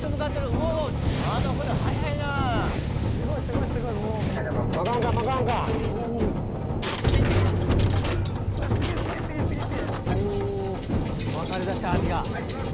おぉ巻かれだした網が。